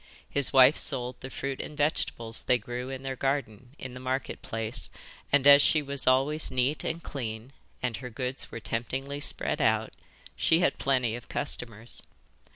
His wife sold the fruit and vegetables they grew in their garden in the Market Place, and as she was always neat and clean and her goods were temptingly spread out she had plenty of customers.